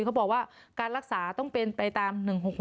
เขาบอกว่าการรักษาต้องเป็นไปตาม๑๖๖